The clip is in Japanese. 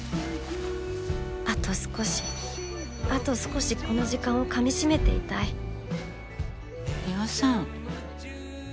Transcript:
あと少しあと少しこの時間をかみしめていたいミワさん。